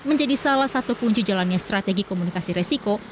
menjadi salah satu kunci jalannya strategi komunikasi resiko